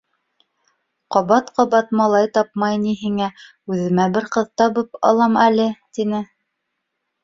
Ҡабат-ҡабат малай тапмай ни һиңә, үҙемә бер ҡыҙ табып алам әле! — тине.